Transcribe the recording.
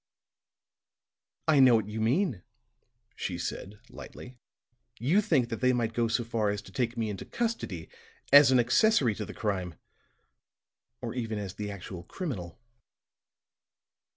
"I know what you mean," she said, lightly. "You think that they might go so far as to take me into custody as an accessory to the crime, or even as the actual criminal."